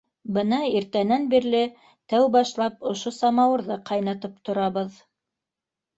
Бына иртәнән бирле тәү башлап ошо самауырҙы ҡайнатып торабыҙ.